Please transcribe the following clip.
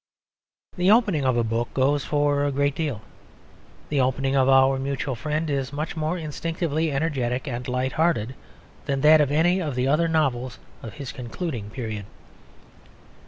The opening of a book goes for a great deal. The opening of Our Mutual Friend is much more instinctively energetic and light hearted than that of any of the other novels of his concluding period.